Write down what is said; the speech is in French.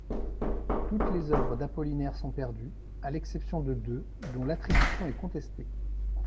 Toutes les œuvres d'Apollinaire sont perdues, à l'exception de deux dont l'attribution est contestée.